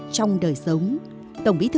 trong đời sống tổng bí thư